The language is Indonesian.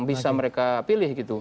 bisa mereka pilih gitu